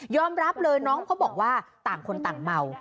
รับเลยน้องเขาบอกว่าต่างคนต่างเมา